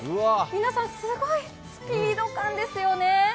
皆さん、すごいスピード感ですよね